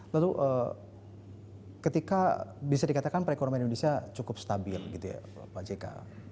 lalu ketika bisa dikatakan perekonomian indonesia cukup stabil gitu ya pak jk